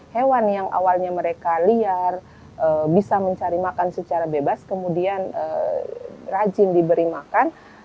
hewan yang awalnya mereka liar bisa mencari makan secara bebas kemudian rajin diberi makan